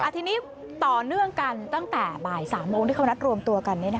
ทีนี้ต่อเนื่องกันตั้งแต่บ่าย๓โมงที่เขานัดรวมตัวกัน